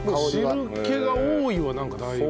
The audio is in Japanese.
汁気が多いわなんかだいぶ。